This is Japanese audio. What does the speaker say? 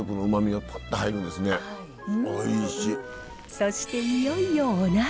そしていよいよお鍋。